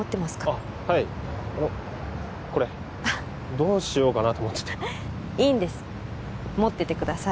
あっはいあのこれあっどうしようかなと思ってていいんです持っててください